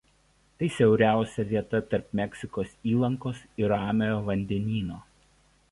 Tai siauriausia vieta tarp Meksikos įlankos ir Ramiojo vandenyno.